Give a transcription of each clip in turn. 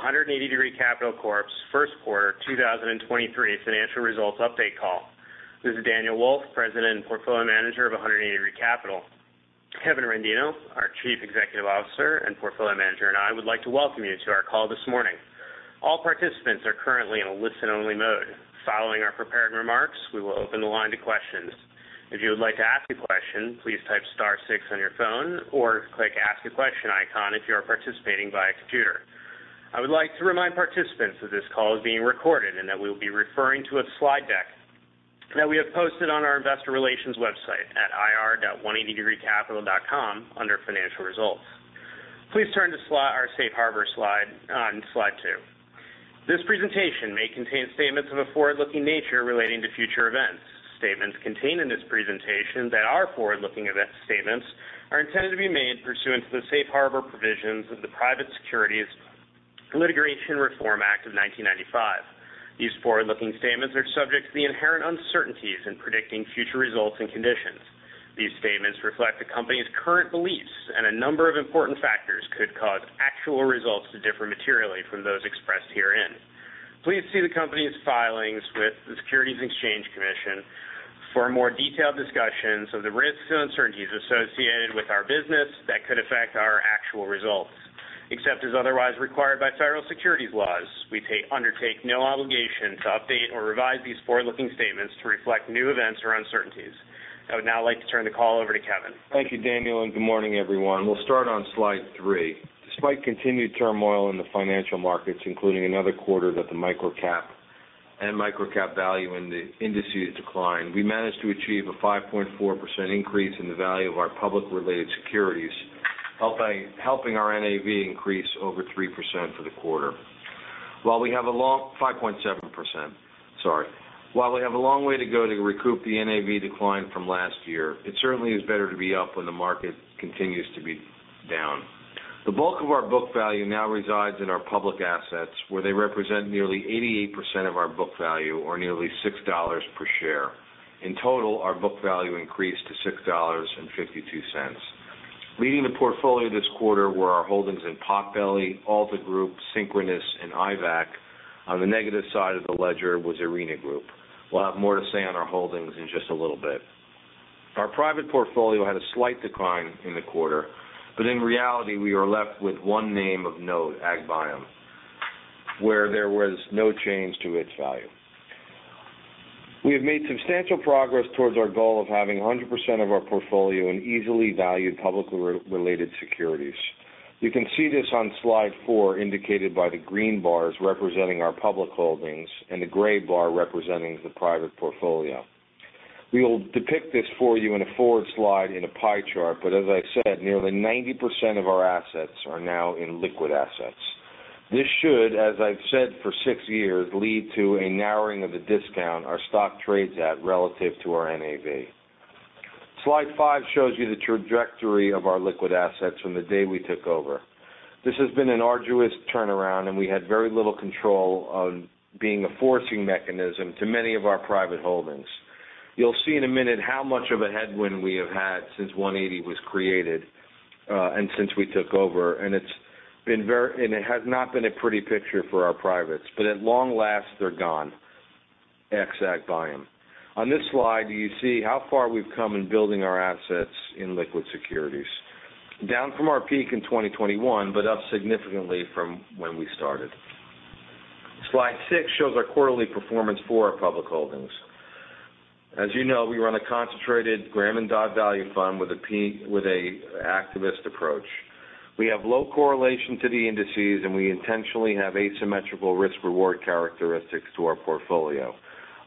180 Degree Capital Corp's Q1 2023 financial results update call. This is Daniel Wolf, President and Portfolio Manager of 180 Degree Capital. Kevin Rendino, our Chief Executive Officer and Portfolio Manager, and I would like to welcome you to our call this morning. All participants are currently in a listen-only mode. Following our prepared remarks, we will open the line to questions. If you would like to ask a question, please type star six on your phone or click Ask a Question icon if you are participating via computer. I would like to remind participants that this call is being recorded and that we'll be referring to a slide deck that we have posted on our investor relations website at ir.180degreecapital.com under Financial Results. Please turn to our Safe Harbor slide in slide two. This presentation may contain statements of a forward-looking nature relating to future events. Statements contained in this presentation that are forward-looking statements are intended to be made pursuant to the Safe Harbor provisions of the Private Securities Litigation Reform Act of 1995. These forward-looking statements are subject to the inherent uncertainties in predicting future results and conditions. These statements reflect the company's current beliefs, and a number of important factors could cause actual results to differ materially from those expressed herein. Please see the company's filings with the Securities and Exchange Commission for a more detailed discussion of the risks and uncertainties associated with our business that could affect our actual results. Except as otherwise required by federal securities laws, we undertake no obligation to update or revise these forward-looking statements to reflect new events or uncertainties. I would now like to turn the call over to Kevin. Thank you, Daniel. Good morning, everyone. We'll start on slide three. Despite continued turmoil in the financial markets, including another quarter that the microcap and microcap value in the indices declined, we managed to achieve a 5.4% increase in the value of our public-related securities, helping our NAV increase over 3% for the quarter. 5.7%. Sorry. While we have a long way to go to recoup the NAV decline from last year, it certainly is better to be up when the market continues to be down. The bulk of our book value now resides in our public assets, where they represent nearly 88% of our book value or nearly $6 per share. In total, our book value increased to $6.52. Leading the portfolio this quarter were our holdings in Potbelly, Alta Group, Synchronoss, and Intevac. On the negative side of the ledger was Arena Group. We'll have more to say on our holdings in just a little bit. Our private portfolio had a slight decline in the quarter, but in reality, we are left with one name of note, AgBiome, where there was no change to its value. We have made substantial progress towards our goal of having 100% of our portfolio in easily valued publicly re-related securities. You can see this on slide four, indicated by the green bars representing our public holdings and the gray bar representing the private portfolio. We will depict this for you in a forward slide in a pie chart, but as I said, nearly 90% of our assets are now in liquid assets. This should, as I've said for six years, lead to a narrowing of the discount our stock trades at relative to our NAV. Slide five shows you the trajectory of our liquid assets from the day we took over. This has been an arduous turnaround, we had very little control on being a forcing mechanism to many of our private holdings. You'll see in a minute how much of a headwind we have had since 180 was created, and since we took over, and it has not been a pretty picture for our privates, but at long last, they're gone. X AgBiome. On this slide, you see how far we've come in building our assets in liquid securities. Down from our peak in 2021, but up significantly from when we started. Slide six shows our quarterly performance for our public holdings. As you know, we run a concentrated Graham & Dodd value fund with an activist approach. We have low correlation to the indices, and we intentionally have asymmetrical risk-reward characteristics to our portfolio.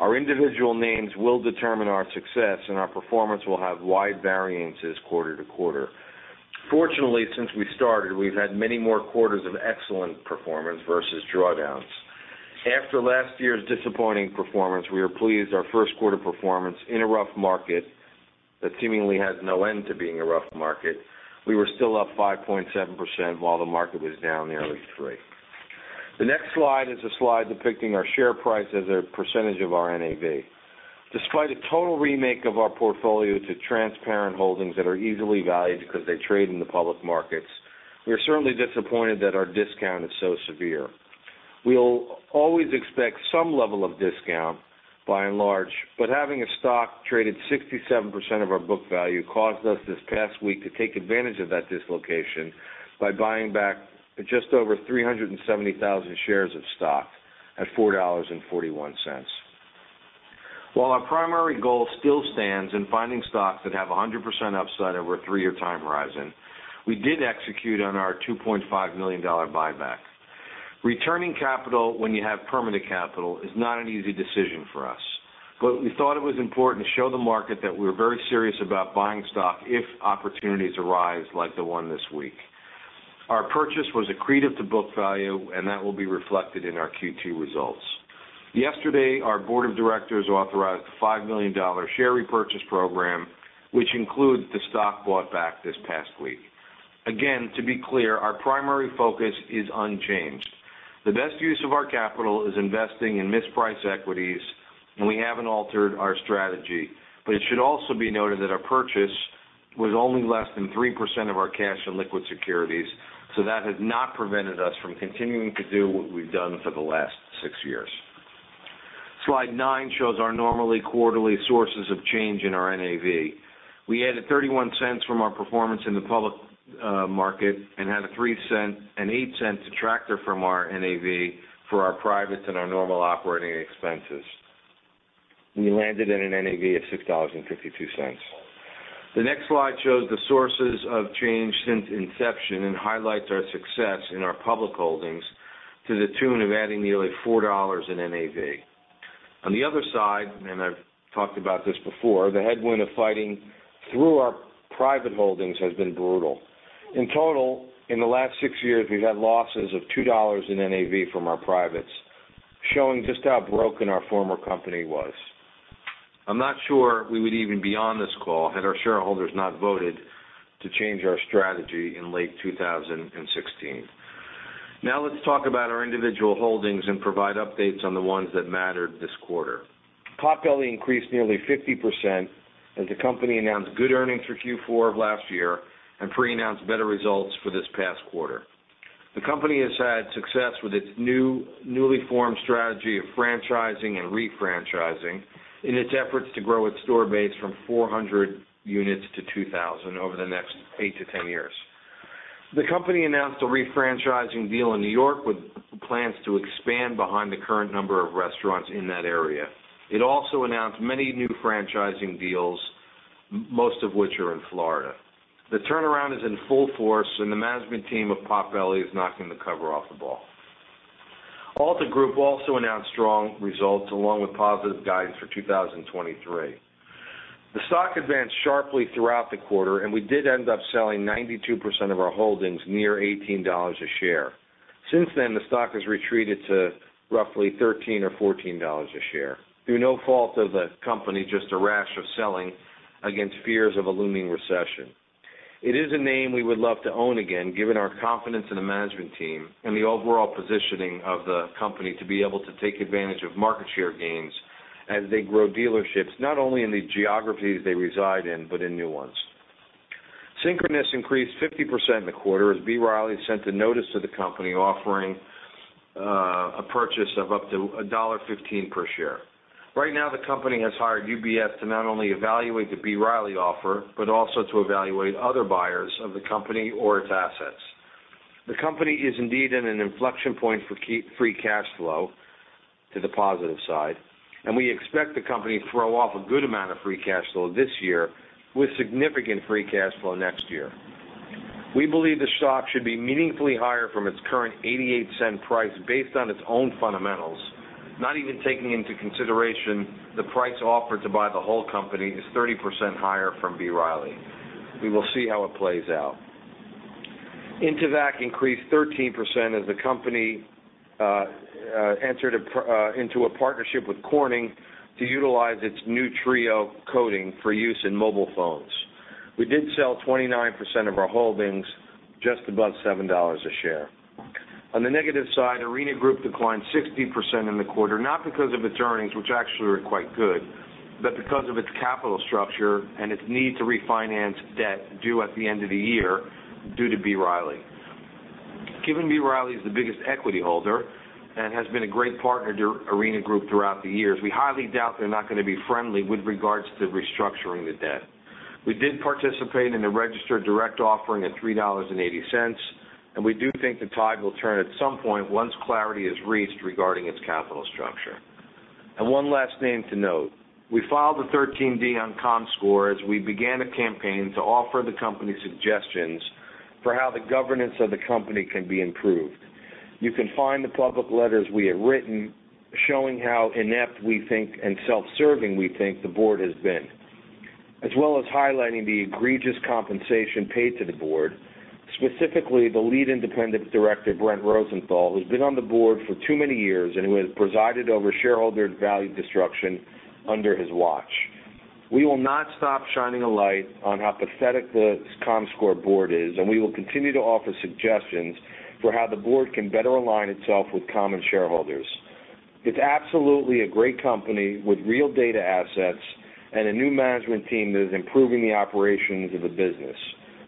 Our individual names will determine our success, and our performance will have wide variances quarter to quarter. Fortunately, since we started, we've had many more quarters of excellent performance versus drawdowns. After last year's disappointing performance, we are pleased our Q1 performance in a rough market that seemingly has no end to being a rough market, we were still up 5.7% while the market was down nearly three. The next slide is a slide depicting our share price as a percentage of our NAV. Despite a total remake of our portfolio to transparent holdings that are easily valued because they trade in the public markets, we are certainly disappointed that our discount is so severe. We'll always expect some level of discount by and large, but having a stock traded 67% of our book value caused us this past week to take advantage of that dislocation by buying back just over 370,000 shares of stock at $4.41. While our primary goal still stands in finding stocks that have a 100% upside over a 3-year time horizon, we did execute on our $2.5 million buyback. Returning capital when you have permanent capital is not an easy decision for us. We thought it was important to show the market that we're very serious about buying stock if opportunities arise like the one this week. Our purchase was accretive to book value, and that will be reflected in our Q2 results. Yesterday, our board of directors authorized a $5 million share repurchase program, which includes the stock bought back this past week. Again, to be clear, our primary focus is unchanged. The best use of our capital is investing in mispriced equities, and we haven't altered our strategy. It should also be noted that our purchase was only less than 3% of our cash and liquid securities, so that has not prevented us from continuing to do what we've done for the last six years. Slide nine shows our normally quarterly sources of change in our NAV. We added $0.31 from our performance in the public market and had an $0.08 detractor from our NAV for our privates and our normal operating expenses. We landed at an NAV of $6.52. The next slide shows the sources of change since inception and highlights our success in our public holdings to the tune of adding nearly $4 in NAV. On the other side, and I've talked about this before, the headwind of fighting through our private holdings has been brutal. In total, in the last six years, we've had losses of $2 in NAV from our privates, showing just how broken our former company was. I'm not sure we would even be on this call had our shareholders not voted to change our strategy in late 2016. Let's talk about our individual holdings and provide updates on the ones that mattered this quarter. Potbelly increased nearly 50% as the company announced good earnings for Q4 of last year and pre-announced better results for this past quarter. The company has had success with its newly formed strategy of franchising and refranchising in its efforts to grow its store base from 400 units to 2,000 over the next 8-10 years. The company announced a refranchising deal in New York with plans to expand behind the current number of restaurants in that area. It also announced many new franchising deals, most of which are in Florida. The turnaround is in full force, the management team of Potbelly is knocking the cover off the ball. Alta Group also announced strong results along with positive guidance for 2023. The stock advanced sharply throughout the quarter, and we did end up selling 92% of our holdings near $18 a share. Since then, the stock has retreated to roughly $13 or $14 a share, through no fault of the company, just a rash of selling against fears of a looming recession. It is a name we would love to own again, given our confidence in the management team and the overall positioning of the company to be able to take advantage of market share gains as they grow dealerships, not only in the geographies they reside in, but in new ones. Synchronoss increased 50% in the quarter as B. Riley sent a notice to the company offering a purchase of up to $1.15 per share. Right now, the company has hired UBS to not only evaluate the B. Riley offer, also to evaluate other buyers of the company or its assets. The company is indeed in an inflection point for free cash flow to the positive side. We expect the company to throw off a good amount of free cash flow this year with significant free cash flow next year. We believe the stock should be meaningfully higher from its current $0.88 price based on its own fundamentals, not even taking into consideration the price offered to buy the whole company is 30% higher from B. Riley. We will see how it plays out. Intevac increased 13% as the company entered into a partnership with Corning to utilize its new TRIO coating for use in mobile phones. We did sell 29% of our holdings just above $7 a share. On the negative side, Arena Group declined 60% in the quarter, not because of its earnings, which actually were quite good, but because of its capital structure and its need to refinance debt due at the end of the year due to B. Riley. Given B. Riley is the biggest equity holder and has been a great partner to Arena Group throughout the years, we highly doubt they're not going to be friendly with regards to restructuring the debt. We did participate in the registered direct offering at $3.80, we do think the tide will turn at some point once clarity is reached regarding its capital structure. One last name to note. We filed a 13D on Comscore as we began a campaign to offer the company suggestions for how the governance of the company can be improved. You can find the public letters we have written showing how inept we think and self-serving we think the board has been, as well as highlighting the egregious compensation paid to the board, specifically the lead independent director, Brent Rosenthal, who's been on the board for too many years and who has presided over shareholder value destruction under his watch. We will not stop shining a light on how pathetic the Comscore board is. We will continue to offer suggestions for how the board can better align itself with common shareholders. It's absolutely a great company with real data assets and a new management team that is improving the operations of the business.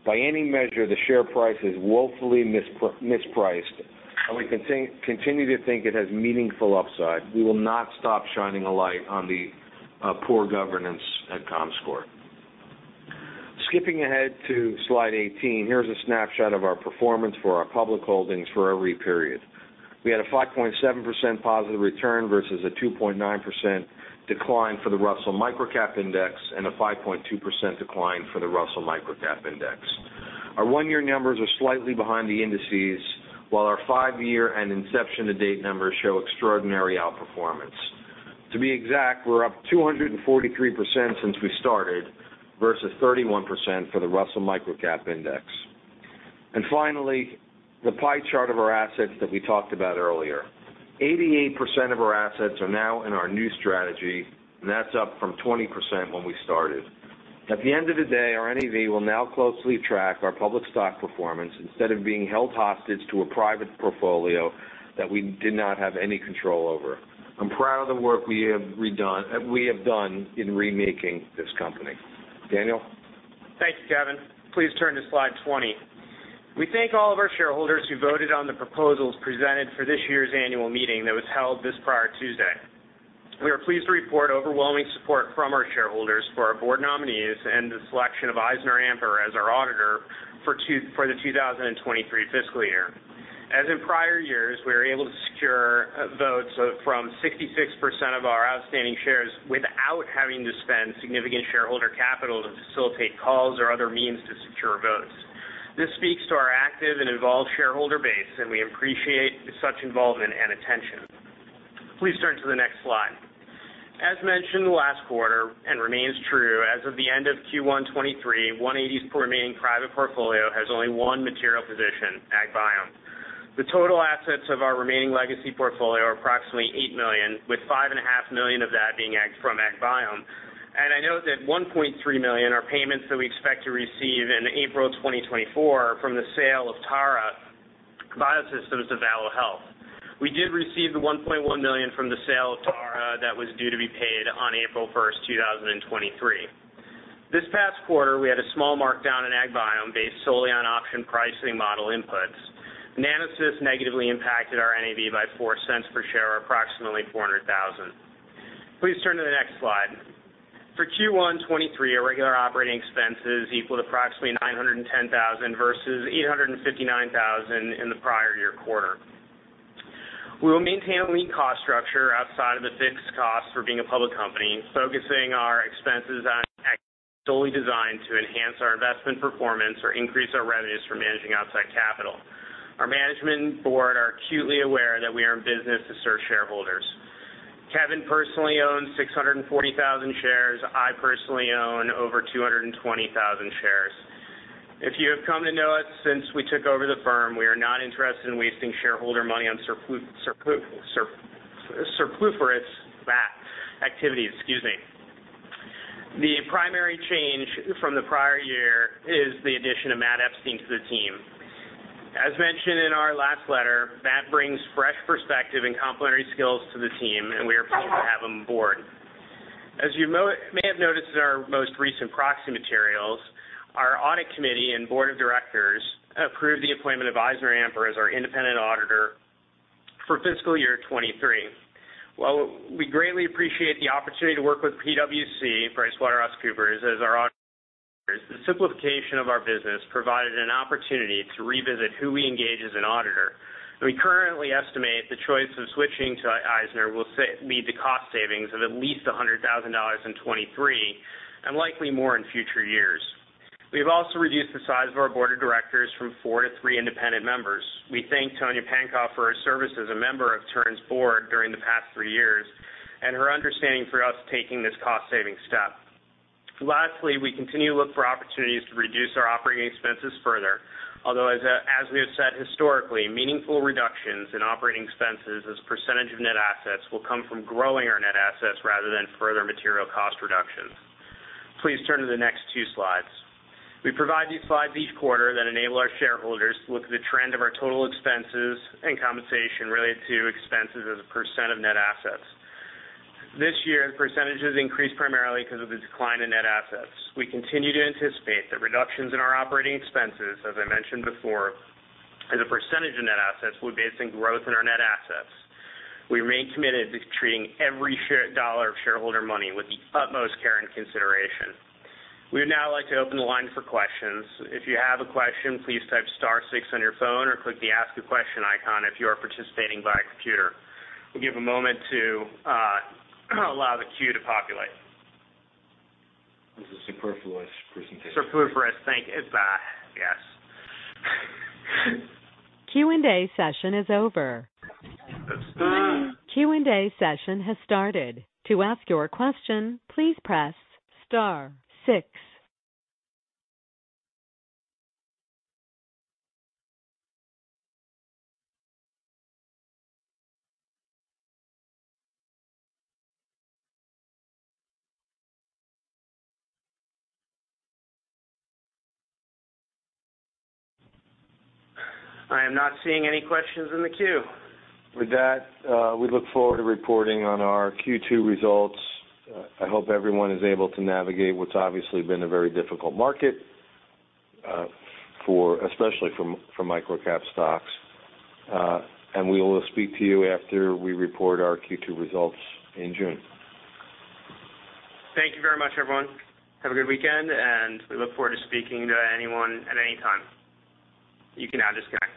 By any measure, the share price is woefully mispriced. We continue to think it has meaningful upside. We will not stop shining a light on the poor governance at Comscore. Skipping ahead to slide 18, here's a snapshot of our performance for our public holdings for every period. We had a 5.7% positive return versus a 2.9% decline for the Russell Microcap Index and a 5.2% decline for the Russell Microcap Index. Our 1-year numbers are slightly behind the indices, while our 5-year and inception to date numbers show extraordinary outperformance. To be exact, we're up 243% since we started versus 31% for the Russell Microcap Index. Finally, the pie chart of our assets that we talked about earlier. 88% of our assets are now in our new strategy, and that's up from 20% when we started. At the end of the day, our NAV will now closely track our public stock performance instead of being held hostage to a private portfolio that we did not have any control over. I'm proud of the work we have done in remaking this company. Daniel? Thank you, Kevin. Please turn to slide 20. We thank all of our shareholders who voted on the proposals presented for this year's annual meeting that was held this prior Tuesday. We are pleased to report overwhelming support from our shareholders for our board nominees and the selection of EisnerAmper as our auditor for the 2023 fiscal year. As in prior years, we were able to secure votes from 66% of our outstanding shares without having to spend significant shareholder capital to facilitate calls or other means to secure votes. This speaks to our active and involved shareholder base, and we appreciate such involvement and attention. Please turn to the next slide. As mentioned last quarter and remains true as of the end of Q1 2023, 180's remaining private portfolio has only one material position, AgBiome. The total assets of our remaining legacy portfolio are approximately $8 million, with $5.5 million of that being from AgBiome. I know that $1.3 million are payments that we expect to receive in April 2024 from the sale of TARA Biosystems to Valo Health. We did receive the $1.1 million from the sale of TARA that was due to be paid on April 1, 2023. This past quarter, we had a small markdown in AgBiome based solely on option pricing model inputs. Nanosys negatively impacted our NAV by $0.04 per share, approximately $400,000. Please turn to the next slide. For Q1 2023, our regular operating expenses equaled approximately $910,000 versus $859,000 in the prior year quarter. We will maintain lean cost structure outside of the fixed cost for being a public company, focusing our expenses on activities solely designed to enhance our investment performance or increase our revenues from managing outside capital. Our management and board are acutely aware that we are in business to serve shareholders. Kevin personally owns 640,000 shares. I personally own over 220,000 shares. If you have come to know us since we took over the firm, we are not interested in wasting shareholder money on surplus activities. Excuse me. The primary change from the prior year is the addition of Matt Epstein to the team. As mentioned in our last letter, Matt brings fresh perspective and complementary skills to the team, and we are pleased to have him on board. As you may have noticed in our most recent proxy materials, our audit committee and board of directors approved the appointment of EisnerAmper as our independent auditor for fiscal year 2023. While we greatly appreciate the opportunity to work with PwC, PricewaterhouseCoopers, as our auditors, the simplification of our business provided an opportunity to revisit who we engage as an auditor. We currently estimate the choice of switching to Eisner will lead to cost savings of at least $100,000 in 2023 and likely more in future years. We have also reduced the size of our board of directors from four to three independent members. We thank Tonia Pankopf for her service as a member of TURN's board during the past three years and her understanding for us taking this cost-saving step. Lastly, we continue to look for opportunities to reduce our operating expenses further. Although, as we have said historically, meaningful reductions in operating expenses as a % of net assets will come from growing our net assets rather than further material cost reductions. Please turn to the next two slides. We provide these slides each quarter that enable our shareholders to look at the trend of our total expenses and compensation related to expenses as a % of net assets. This year, the %s increased primarily because of the decline in net assets. We continue to anticipate that reductions in our operating expenses, as I mentioned before, as a % of net assets, will be based on growth in our net assets. We remain committed to treating every dollar of shareholder money with the utmost care and consideration. We would now like to open the line for questions. If you have a question, please type star six on your phone or click the Ask a Question icon if you are participating via computer. We'll give a moment to allow the queue to populate. This is a superfluous presentation. Superfluous. Thank you. It's. Yes. Q&A session is over. Q&A session has started. To ask your question, please press star six. I am not seeing any questions in the queue. With that, we look forward to reporting on our Q2 results. I hope everyone is able to navigate what's obviously been a very difficult market, especially for microcap stocks. We will speak to you after we report our Q2 results in June. Thank you very much, everyone. Have a good weekend. We look forward to speaking to anyone at any time. You can now disconnect.